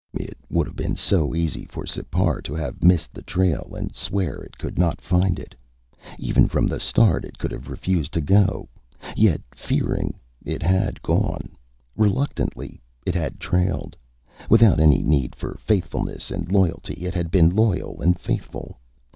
It would have been so easy for Sipar to have missed the trail and swear it could not find it. Even from the start, it could have refused to go. Yet, fearing, it had gone. Reluctant, it had trailed. Without any need for faithfulness and loyalty, it had been loyal and faithful.